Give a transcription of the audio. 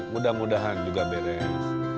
mudah mudahan juga beres